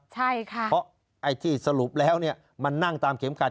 ใช่ค่ะเพราะไอ้ที่สรุปแล้วเนี่ยมันนั่งตามเข็มขัด